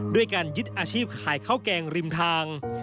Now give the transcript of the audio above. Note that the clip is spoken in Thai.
ด้วยการยึดอาชีพขายข้าวแกงริมทาง